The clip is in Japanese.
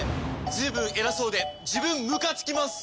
ずいぶん偉そうで自分ムカつきます！